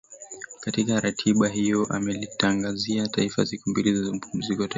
Katika ratiba hiyo amelitangazia taifa siku mbili za mapumziko ya kitaifa